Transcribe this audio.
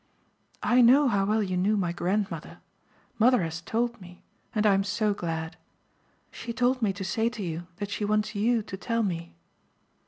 "I know how well you knew my grandmother. Mother has told me and I'm so glad. She told me to say to you that she wants YOU to tell me."